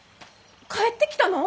帰ってきたの！？